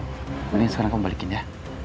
mendingan sekarang kamu balikin ya